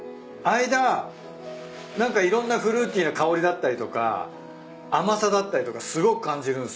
間何かいろんなフルーティーな香りだったりとか甘さだったりとかすごく感じるんすよ。